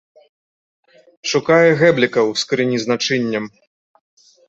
Шукае гэбліка ў скрыні з начыннем.